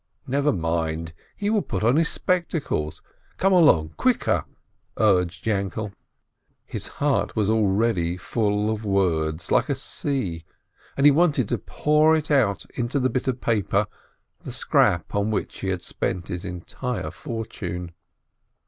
"Never mind ! He will put on his spectacles. Come along — quicker!" urged Yainkele. His heart was already full of words, like a sea, and he wanted to pour it out onto the bit of paper, the scrap on which he had spent his entire fortune.